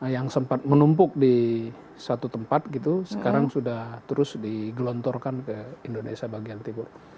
yang sempat menumpuk di satu tempat gitu sekarang sudah terus digelontorkan ke indonesia bagian timur